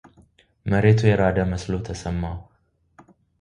መሬቱ የራደ መስሎ ተሰማው።